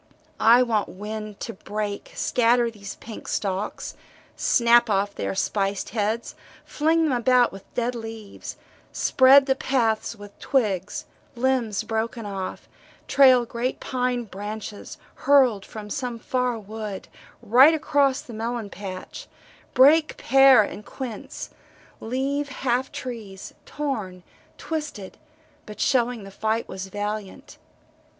I want wind to break, scatter these pink stalks, snap off their spiced heads, fling them about with dead leaves spread the paths with twigs, limbs broken off, trail great pine branches, hurled from some far wood right across the melon patch, break pear and quince leave half trees, torn, twisted but showing the fight was valiant.